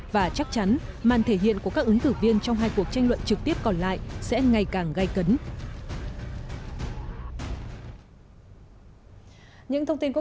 và chắc chắn màn thể hiện của các ứng cử viên trong hai cuộc tranh luận trực tiếp còn lại sẽ ngày càng gây cấn